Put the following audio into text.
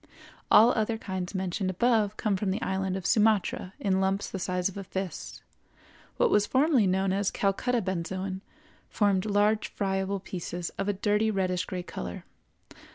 All other kinds mentioned above come from the island of Sumatra, in lumps the size of a fist. What was formerly known as Calcutta benzoin formed large friable pieces of a dirty reddish gray color.